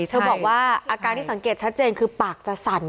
บอกว่าอาการที่สังเกตชัดเจนคือปากจะสั่น